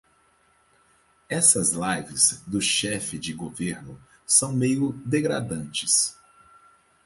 Essas lives do chefe de governo são meio degradantes